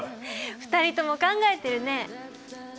２人とも考えてるね。